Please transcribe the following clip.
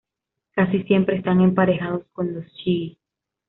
Casi siempre están emparejados con los "chigi".